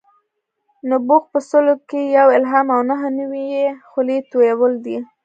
نبوغ په سلو کې یو الهام او نهه نوي یې خولې تویول دي.